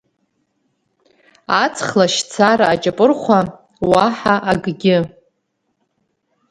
Аҵх лашьцара аҷапырхәа, уаҳа акгьы.